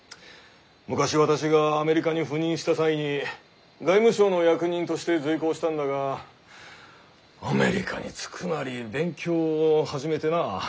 昔私がアメリカに赴任した際に外務省の役人として随行したんだがアメリカに着くなり勉強を始めてな。